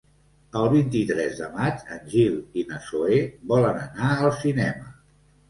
El vint-i-tres de maig en Gil i na Zoè volen anar al cinema.